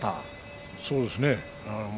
そうですね。